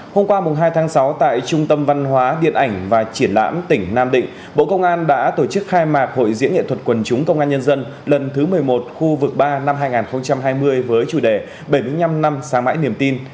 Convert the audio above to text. hôm qua hai tháng sáu tại trung tâm văn hóa điện ảnh và triển lãm tỉnh nam định bộ công an đã tổ chức khai mạc hội diễn nghệ thuật quần chúng công an nhân dân lần thứ một mươi một khu vực ba năm hai nghìn hai mươi với chủ đề bảy mươi năm năm sáng mãi niềm tin